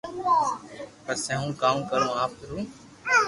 پسي ھون ڪاو ڪرو آپ رون